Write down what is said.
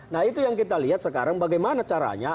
nah itu yang kita lihat sekarang bagaimana caranya